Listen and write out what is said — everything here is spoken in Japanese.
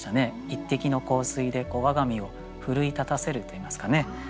一滴の香水で我が身を奮い立たせるといいますかね。